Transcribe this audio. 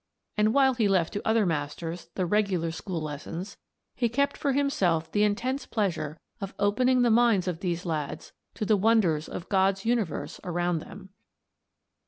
And, while he left to other masters the regular school lessons, he kept for himself the intense pleasure of opening the minds of these lads to the wonders of God's universe around them.